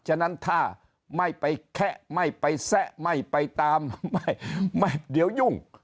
ฉะนั้นถ้าไม่ไปแคะไม่ไปแซะไม่ไปตามไม่เดี๋ยวยุ่ง